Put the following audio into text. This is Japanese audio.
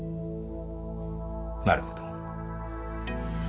なるほど。